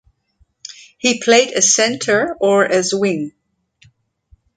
He played as centre or as wing.